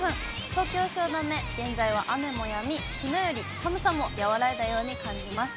東京・汐留、現在は雨もやみ、きのうより寒さも和らいだように感じます。